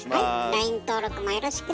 ＬＩＮＥ登録もよろしくね。